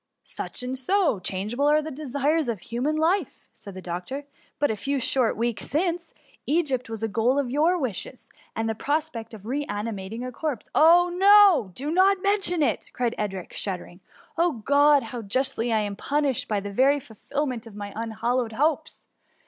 ^^^ Such and so changeable are the desires of human life r said the doctor. " But a few ^hort weeks since, Egypt was the goal of your wishes, and the prospect of re animating a corpse —^'^Oh ! do not mention it !'' cried Edric, shuddering. ^^ O God ! how justly am I pu nished, by the very fulfilment of my unhallowed hopes